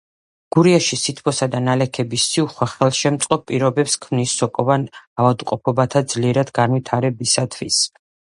გურიაში სითბოსა და ნალექების სიუხვე ხელშემწყობ პირობებს ქმნის სოკოვან ავადმყოფობათა ძლიერად განვითარებისათვის.